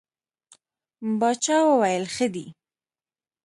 باچا وویل ښه دی.